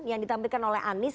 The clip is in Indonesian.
yang ditampilkan oleh anies